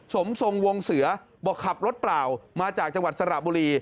สมทรงวงเสือบอกขับรถเปล่ามาจากจังหวัดสระบุรี